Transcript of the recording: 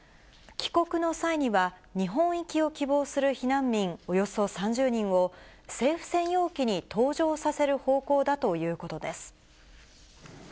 帰国の際には、日本行きを希望する避難民およそ３０人を、政府専用機に搭乗させる方向だということです。